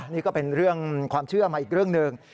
นี่ก็เป็นเรื่องความเชื่อมาอีกเรื่องหนึ่ง